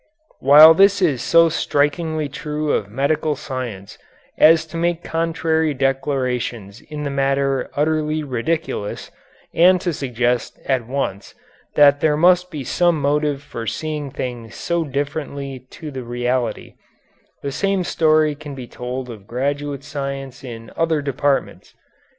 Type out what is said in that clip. While this is so strikingly true of medical science as to make contrary declarations in the matter utterly ridiculous, and to suggest at once that there must be some motive for seeing things so different to the reality, the same story can be told of graduate science in other departments.